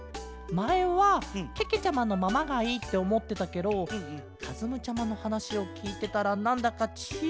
まえはけけちゃまのままがいいっておもってたケロかずむちゃまのはなしをきいてたらなんだかチーターちゃまに。